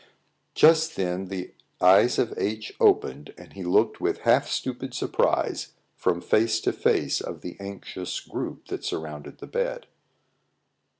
Just then the eyes of H opened, and he looked with half stupid surprise from face to face of the anxious group that surrounded the bed.